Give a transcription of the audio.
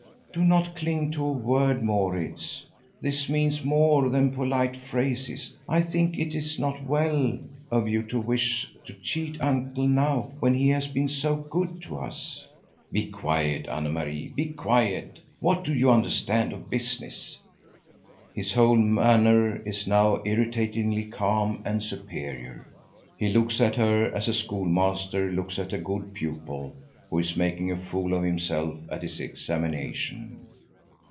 "Do not cling to a word, Maurits. This means more than polite phrases. I think it is not well of you to wish to cheat Uncle now when he has been so good to us." "Be quiet, Anne Marie, be quiet! What do you understand of business?" His whole manner is now irritatingly calm and superior. He looks at her as a schoolmaster looks at a good pupil who is making a fool of himself at his examination.